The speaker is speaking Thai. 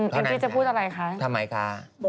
อย่างนั้นนะคะทำไมคะอเจมส์มันแในว่า